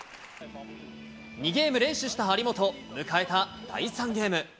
２ゲーム連取した張本、迎えた第３ゲーム。